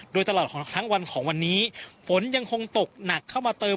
โดยตลอดของทั้งวันของวันนี้ฝนยังคงตกหนักเข้ามาเติม